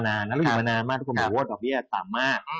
แล้วเราอยู่มานานมากทุกคนบอกว่าดอกเบี้ยต่ำมาก